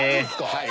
はい。